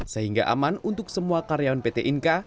sehingga aman untuk semua karyawan pt inka